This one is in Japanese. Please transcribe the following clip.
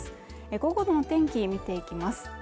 午後の天気見ていきます。